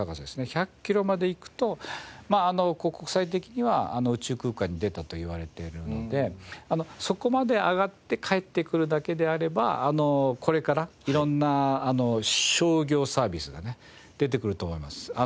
１００キロまで行くとまあ国際的には宇宙空間に出たといわれているのでそこまで上がって帰ってくるだけであればこれから色んな商業サービスがね出てくると思います。